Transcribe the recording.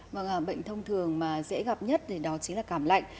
vâng bệnh thông thường mà dễ gặp nhất thì đó chính là cảm lạnh